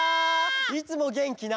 いつもげんきな。